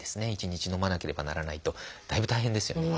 １日のまなければならないとだいぶ大変ですよね。